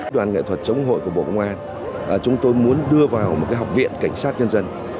đoàn nghệ thuật chống hội của bộ công an chúng tôi muốn đưa vào một học viện cảnh sát nhân dân